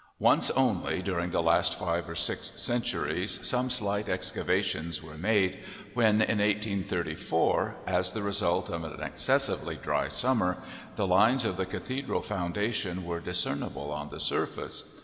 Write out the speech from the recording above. Once only during the last five or six centuries some slight excavations were made when, in 1834, as the result of an excessively dry summer, the lines of the cathedral foundations were discernible on the surface.